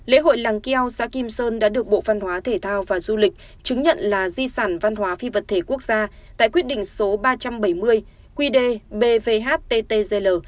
lễ hội làng keo xã kim sơn đã được bộ văn hóa thể thao và du lịch chứng nhận là di sản văn hóa phi vật thể quốc gia tại quyết định số ba trăm bảy mươi qd bvhttgl